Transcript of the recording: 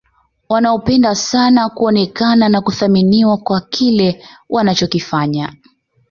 wanaopenda sana kuonekana na kuthaminiwa kwa kile wanachokifanya